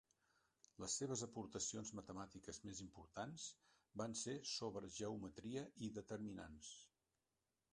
Les seves aportacions matemàtiques més importants van ser sobre geometria i determinants.